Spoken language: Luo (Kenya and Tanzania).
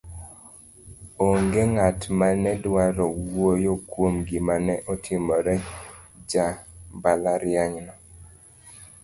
onge ng'at mane dwaro wuoyo kuom gima ne otimo jambalariany no